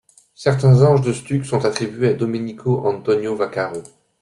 Certains anges de stuc sont attribués à Domenico Antonio Vaccaro.